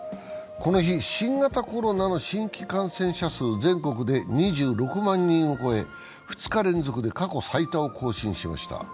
この日、新型コロナの新規感染者数全国で２６万人を超え、２日連続で過去最多を更新しました